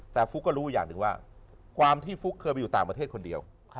แต่ฟุ๊กก็รู้อย่างหนึ่งว่าความที่ฟุ๊กเคยไปอยู่ต่างประเทศคนเดียว